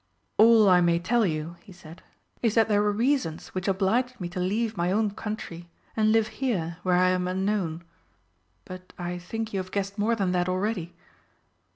"All I may tell you," he said, "is that there were reasons which obliged me to leave my own country and live here where I am unknown. But I think you have guessed more than that already!"